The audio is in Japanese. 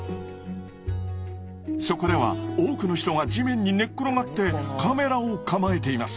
そこでは多くの人が地面に寝っ転がってカメラを構えています。